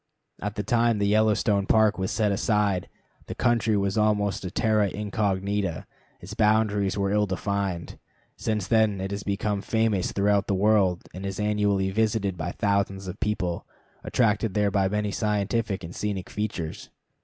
At the time the Yellowstone Park was set aside, the country was almost a terra incognita; its boundaries were ill defined. Since then it has become famous throughout the world, and is annually visited by thousands of people, attracted there by many scientific and scenic features.